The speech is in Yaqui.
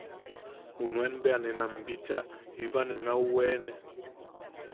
Junuen bea ne nam bichaa jiba ne naa weene.